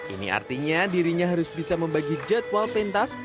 ini artinya dirinya harus bisa membagi jadwal pentas